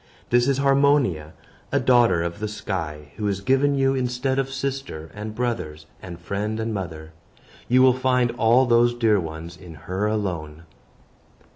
This is Harmonia, a daughter of the sky, who is given you instead of sister, and brothers, and friend, and mother. You will find all those dear ones in her alone."